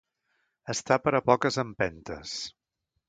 Estar per a poques empentes.